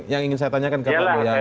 yang ingin saya tanyakan ke pak mulyani